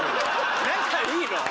仲いいの？